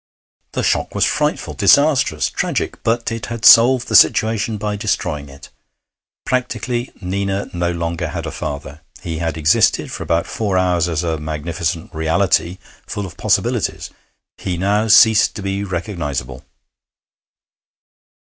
The shock was frightful, disastrous, tragic; but it had solved the situation by destroying it. Practically, Nina no longer had a father. He had existed for about four hours as a magnificent reality, full of possibilities; he now ceased to be recognisable.